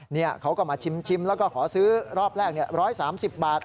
นี่เขาก็มาชิมแล้วก็ขอซื้อรอบแรก๑๓๐บาท